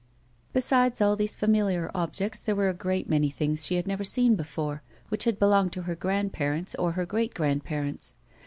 Besides all these familiar objects there were a great many things she had never seen before, which had belonged to her grand parents or her great grand parents.